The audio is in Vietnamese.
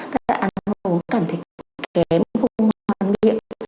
các bạn ăn uống cảm thấy kém không ngon miệng